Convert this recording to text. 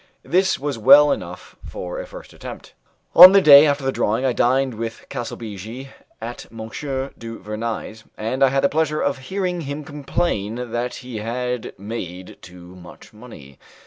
This was well enough for a first attempt. On the day after the drawing I dined with Calsabigi at M. du Vernai's, and I had the pleasure of hearing him complain that he had made too much money.